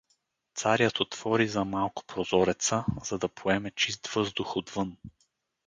Царят отвори за малко прозореца, за да поеме чист въздух отвън.